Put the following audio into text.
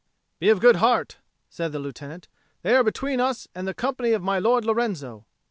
"Be of good heart," said the Lieutenant. "They are between us and the company of my Lord Lorenzo."